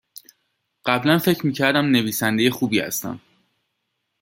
قبلا فکر میکردم نویسنده خوبی هستم